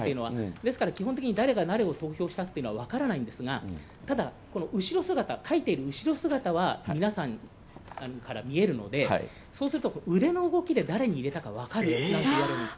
ですから、基本的に誰が誰を投票したっていうのは分からないんですが、ただ、後ろ姿書いている後ろ姿は皆さんからは見えるのでそうすると、腕の動きで誰に入れたか分かるんです。